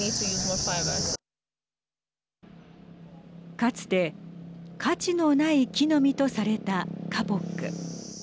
かつて価値のない木の実とされたカポック。